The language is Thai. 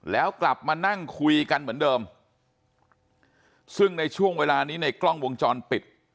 แล้วกลับมานั่งคุยกันเหมือนเดิมซึ่งในช่วงเวลานี้ในกล้องวงจรปิด